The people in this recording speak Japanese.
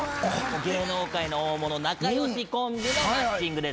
芸能界の大物仲良しコンビのマッチングです。